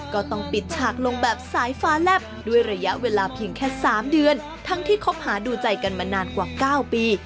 ก็ต้องปิดฉากลงแบบสายฟ้าแลบด้วยระยะเวลาเพียงแค่๓เดือนทั้งที่คบหาดูใจกันมานานกว่า๙ปี